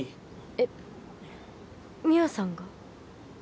えっ美和さんが？